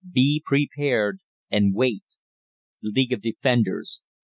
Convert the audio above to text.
BE PREPARED, AND WAIT. League of Defenders.